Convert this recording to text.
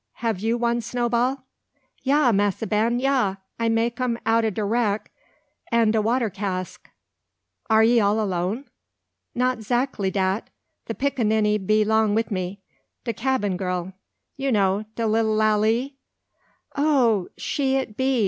Have you one, Snowball?" "Ya, massa Ben, ya! I make um out o' de wreck an de water cask." "Are ye all alone?" "Not 'zackly dat. The pickaninny be long wi' me, de cabing gal. You know de lilly Lalee?" "Oh! she it be!"